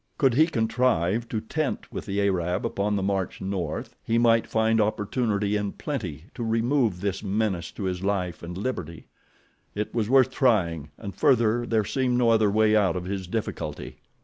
Could he contrive to tent with the Arab upon the march north, he might find opportunity in plenty to remove this menace to his life and liberty—it was worth trying, and, further, there seemed no other way out of his difficulty.